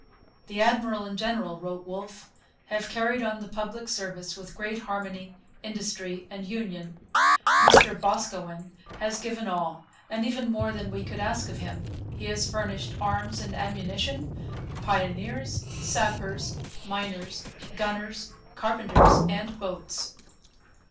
'The Admiral and General,' wrote Wolfe, 'have carried on the public service with great harmony, industry, and union. Mr Boscawen has given all, and even more than we could ask of him. He has furnished arms and ammunition, pioneers, sappers, miners, gunners, carpenters, and boats.'